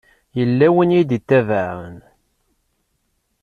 Yella win i yi-d-itabaɛen.